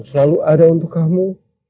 selalu ada untuk kamu